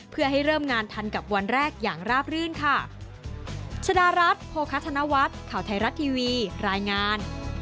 เพื่อให้เริ่มงานทันกับวันแรกอย่างราบรื่นค่ะ